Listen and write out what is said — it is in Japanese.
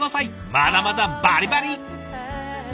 まだまだバリバリ！